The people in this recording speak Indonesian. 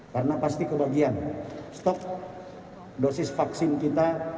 karena pasti kebagian stok dosis vaksin kita